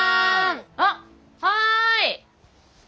あっはい！